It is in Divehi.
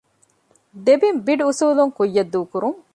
ދެ ބިން ބިޑް އުސޫލުން ކުއްޔަށް ދޫކުރުން